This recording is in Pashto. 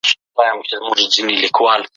تطبیقي پوښتنې د پرتله کولو لپاره دي.